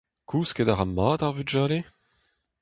Kousket a ra mat ar vugale ?